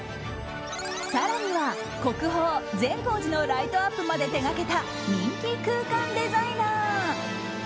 更には、国宝・善光寺のライトアップまで手掛けた人気空間デザイナー。